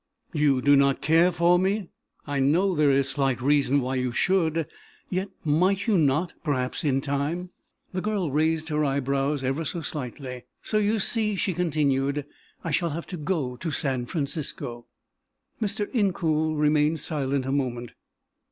"You do not care for me, I know; there is slight reason why you should. Yet, might you not, perhaps, in time?" The girl raised her eyebrows ever so slightly. "So you see," she continued, "I shall have to go to San Francisco." Mr. Incoul remained silent a moment.